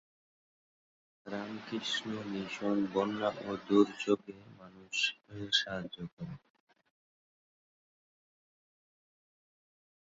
Ramakrishna mission বন্যা ও দুর্যোগে মানুষের সাহায্য করে।